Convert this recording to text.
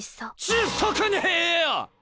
ちっさくねえよ‼